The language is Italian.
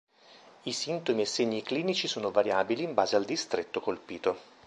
I sintomi e segni clinici sono variabili in base al distretto colpito.